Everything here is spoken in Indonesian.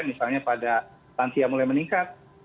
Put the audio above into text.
misalnya pada stansi yang mulai meningkat